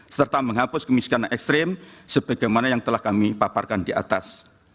serta menghapus kemiskinan ekstrim sebagaimana yang telah kami paparkan di atas